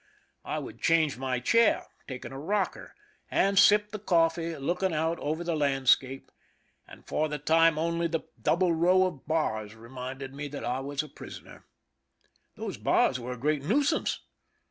I would change my chair, taking a rocker, and sip the coffee, looking out over the landscape, and for the time only the double row of bars reminded me that I was a prisoner. Those bars were a great nuisance.